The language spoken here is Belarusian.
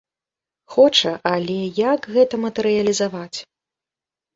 Хоча, але як гэта матэрыялізаваць?